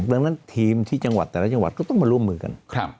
ดังนั้นทีมที่จังหวัดแต่ละจังหวัดก็ต้องมาร่วมมือกัน